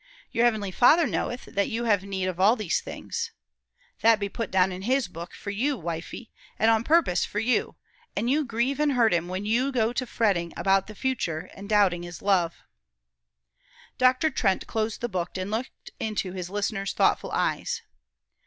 "Your heavenly Father knoweth that you have need of all these things." That be put down in his book for you, wifie, and on purpose for you; an' you grieve an' hurt him when you go to fretting about the future, an' doubting his love.'" Dr. Trent closed the book, and looked into his listener's thoughtful eyes.